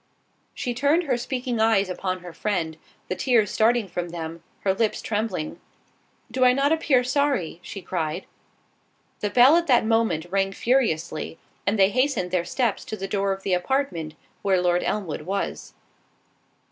She turned her speaking eyes upon her friend, the tears starting from them, her lips trembling—"Do I not appear sorry?" she cried. The bell at that moment rang furiously, and they hastened their steps to the door of the apartment where Lord Elmwood was.